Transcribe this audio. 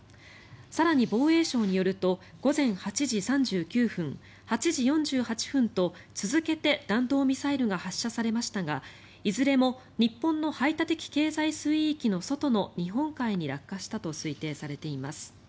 更に防衛省によると午前８時３９分８時４８分と続けて弾道ミサイルが発射されましたがいずれも日本の排他的経済水域の外の日本海に落下したと推定されています。